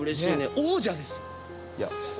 王者ですよ。